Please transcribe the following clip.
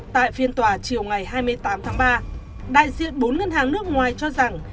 tại phiên tòa chiều ngày hai mươi tám tháng ba đại diện bốn ngân hàng nước ngoài cho rằng